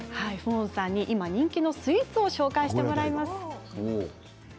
今、人気のスイーツを紹介してもらいます。